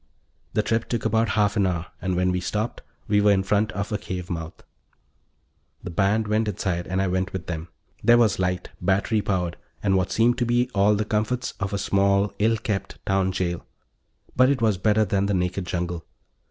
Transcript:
The trip took about half an hour, and when we stopped we were in front of a cave mouth. The band went inside and I went with them. There was light, battery powered, and what seemed to be all the comforts of a small, ill kept town jail. But it was better than the naked jungle.